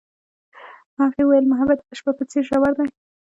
هغې وویل محبت یې د شپه په څېر ژور دی.